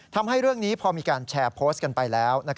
ทำให้เรื่องนี้พอมีการแชร์โพสต์กันไปแล้ว